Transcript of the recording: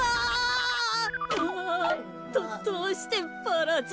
あぁどどうしてバラじゃ。